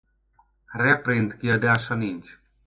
Reprint kiadása nincs.